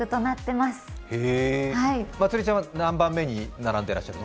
まつりちゃんは何番目に並んでらっしゃるの？